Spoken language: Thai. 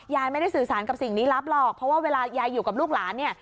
ยายไม่ได้สื่อสารกับสิ่งลี้ลับหรอกเพราะว่าเวลายายอยู่กับลูกหลานเนี่ย